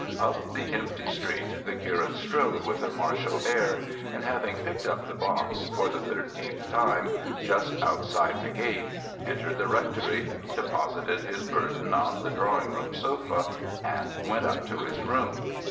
Up the empty street the curate strode with a martial air, and having picked up the box—for the thirteenth time—just outside the gate, entered the rectory, deposited his burden on the drawing room sofa, and went up to his room.